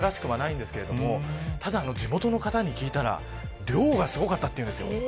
時期的にはそんなに珍しくないんですけどただ、地元の方に聞いたら量がすごかったというんですよ。